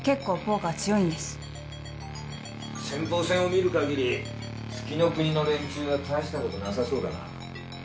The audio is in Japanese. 先鋒戦を見るかぎり月ノ国の連中は大したことなさそうだな。